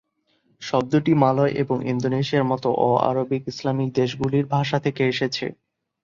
শব্দটি মালয় এবং ইন্দোনেশিয়ার মতো অ-আরবিক ইসলামিক দেশগুলির ভাষা থেকে এসেছে।